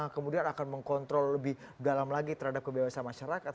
kemudian akan mengkontrol lebih dalam lagi terhadap kebebasan masyarakat